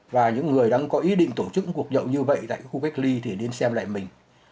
và những người đang có ý định tổ chức cuộc nhậu như vậy tại khu cách ly thì nên xem lại mình